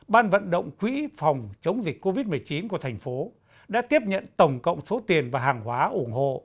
ban vận động quỹ phòng chống dịch covid một mươi chín của thành phố đã tiếp nhận tổng cộng số tiền và hàng hóa ủng hộ